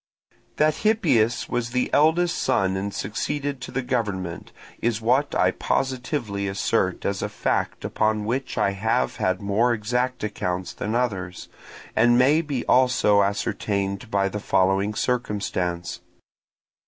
That Hippias was the eldest son and succeeded to the government, is what I positively assert as a fact upon which I have had more exact accounts than others, and may be also ascertained by the following circumstance.